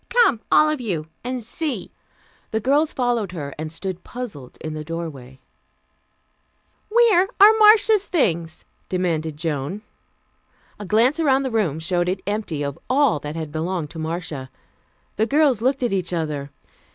"Come, all of you, and see." The girls followed her, and stood puzzled in the doorway. "Where are Marcia's things?" demanded Joan. A glance around the room showed it empty of all that had belonged to Marcia. The girls looked at each other.